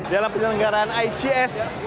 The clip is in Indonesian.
dalam penyelenggaraan ics